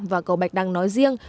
và cầu bạch đằng nói riêng